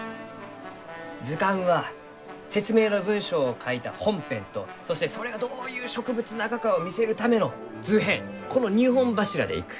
図鑑は説明の文章を書いた本編とそしてそれがどういう植物ながかを見せるための図編この２本柱でいく。